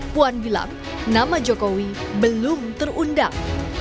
puan bilang nama jokowi belum terundang